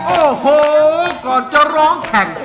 โอ้โหก่อนจะร้องแข่ง